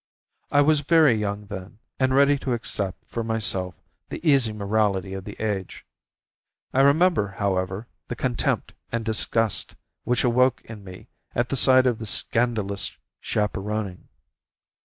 I was very young then, and ready to accept for myself the easy morality of the age. I remember, however, the contempt and disgust which awoke in me at the sight of this scandalous chaperoning.